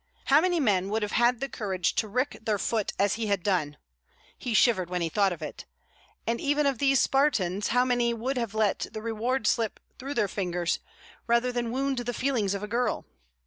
How many men would have had the courage to wrick their foot as he had done? (He shivered when he thought of it.) And even of these Spartans how many would have let the reward slip through their fingers rather than wound the feelings of a girl?